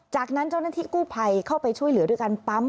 จากนั้นเจ้าหน้าที่กู้ภัยเข้าไปช่วยเหลือด้วยการปั๊ม